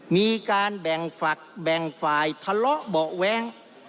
มีการแบ่งฝักแบ่งฝ่ายทะเลาะเบาะแว้ง